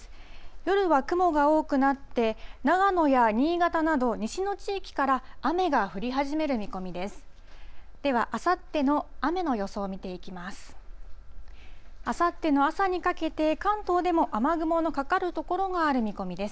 夜は雲が多くなって、長野や新潟など、西の地域から雨が降り始める見込みです。